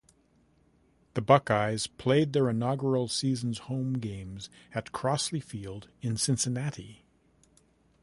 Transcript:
The Buckeyes played their inaugural season's home games at Crosley Field in Cincinnati.